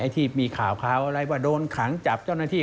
ที่มีข่าวอะไรว่าโดนขังจับเจ้าหน้าที่